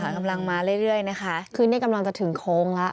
กำลังมาเรื่อยนะคะคือนี่กำลังจะถึงโค้งแล้ว